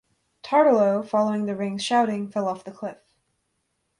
Tartalo, following the ring's shouting, fell off the cliff.